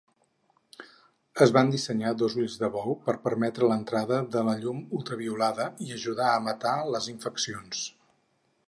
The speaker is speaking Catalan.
Es van dissenyar dos ulls de bou per permetre l'entrada de la llum ultraviolada i ajudar a matar les infeccions.